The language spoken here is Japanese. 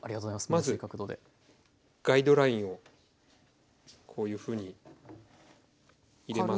まずガイドラインをこういうふうに入れます。